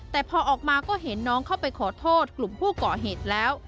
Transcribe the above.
แต่พอออกมาก็เห็นน้องเข้าไปขอโทษกลุ่มผู้ก่อเหตุแล้ว